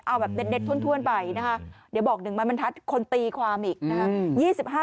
เอาแบบเด็ดถ้วนไปนะคะเดี๋ยวบอก๑ไม้บรรทัศน์คนตีความอีกนะคะ